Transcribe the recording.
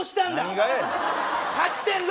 勝ち点６！